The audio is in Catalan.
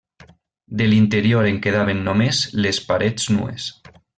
De l'interior en quedaven només les parets nues.